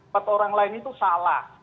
empat orang lain itu salah